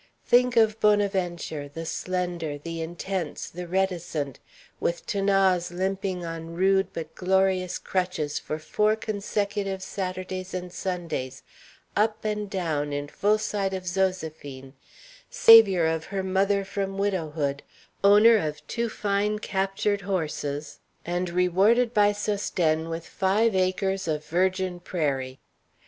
Think of Bonaventure, the slender, the intense, the reticent with 'Thanase limping on rude but glorious crutches for four consecutive Saturdays and Sundays up and down in full sight of Zoséphine, savior of her mother from widowhood, owner of two fine captured horses, and rewarded by Sosthène with five acres of virgin prairie.